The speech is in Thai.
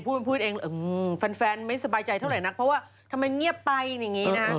พูดเองแฟนไม่สบายใจเท่าไหร่นักเพราะว่าทำไมเงียบไปอย่างนี้นะฮะ